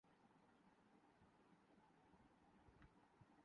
پاکستان کی women footballer کو برطانوی کلب سے پیشکش